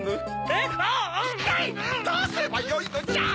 いったいどうすればよいのじゃ！